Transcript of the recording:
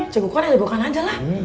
cegukan elu bukan aja lah